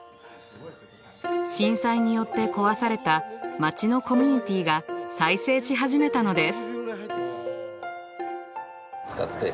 震災によって壊された町のコミュニティが再生し始めたのです。